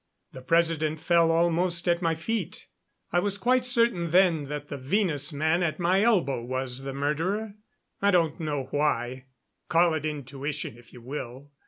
The President fell almost at my feet. I was quite certain then that the Venus man at my elbow was the murderer. I don't know why, call it intuition if you will.